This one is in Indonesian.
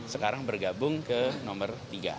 sekarang bergabung ke nomor tiga